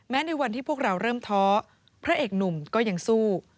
ในวันที่พวกเราเริ่มท้อพระเอกหนุ่มก็ยังสู้